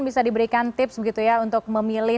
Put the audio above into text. bisa diberikan tips begitu ya untuk memilih